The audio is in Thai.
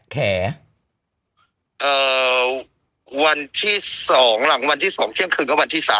แขเอ่อวันที่สองหลังวันที่สองเที่ยงคืนก็วันที่สาม